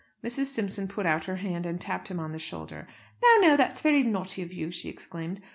Mrs. Simpson put out her hand, and tapped him on the shoulder. "Now, now; that's very naughty of you," she exclaimed.